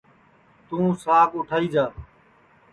توںساک اوٹھائی جا